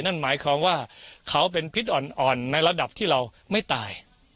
นั่นหมายความว่าเขาเป็นพิษอ่อนในระดับที่เราไม่ตาย